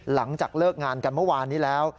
หลังจากเลิกงานกันเมื่อวานนี้แล้ว